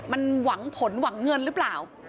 มันหวังผลหวังเงินหรือเปล่า